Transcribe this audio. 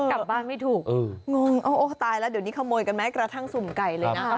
กลับบ้านไม่ถูกงงโอ้ตายแล้วเดี๋ยวนี้ขโมยกันแม้กระทั่งสุ่มไก่เลยนะคะ